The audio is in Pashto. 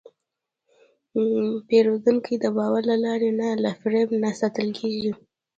پیرودونکی د باور له لارې نه، له فریب نه ساتل کېږي.